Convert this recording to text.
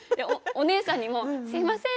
おねえさんにもすみません